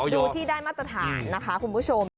ดูที่ได้มาตรฐานนะคะคุณผู้ชม